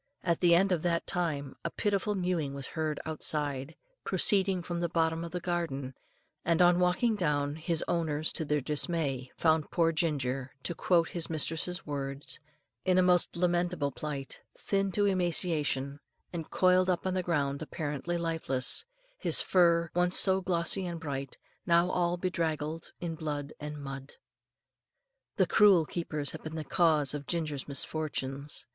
At the end of that time, a pitiful mewing was heard outside, proceeding from the bottom of the garden, and on walking down, his owners, to their dismay, found poor Ginger, to quote his mistress's words, "in a most lamentable plight, thin to emaciation, and coiled up on the ground apparently lifeless, his fur, once so glossy and bright, now all bedraggled in blood and mud." The cruel keepers had been the cause of Ginger's misfortunes.